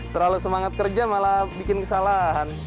terlalu semangat kerja malah bikin kesalahan